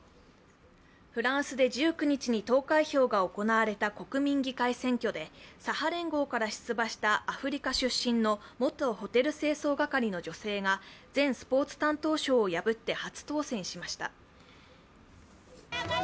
フランスで１９日に投開票が行われた国民議会選挙で左派連合から出馬したアフリカ出身の元ホテル清掃係の女性が前スポーツ担当相を破って初当選しました。